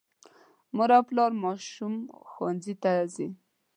مور او پلار ماشوم ښوونځي ته ځي.